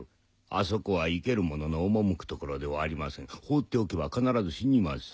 あそこは生ける者の赴く所ではありません放っておけば必ず死にます。